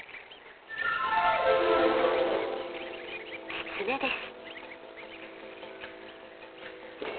キツネです。